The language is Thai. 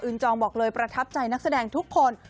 จองบอกเลยประทับใจนักแสดงทุกคน